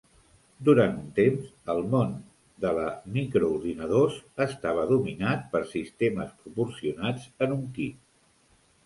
Durant un temps, el món de la microordinadors estava dominat per sistemes proporcionats en un kit.